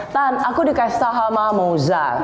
tante aku di kestahama moza